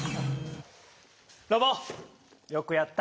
ロボよくやった！